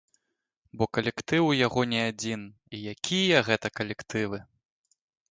Бо калектыў у яго не адзін, і якія гэта калектывы!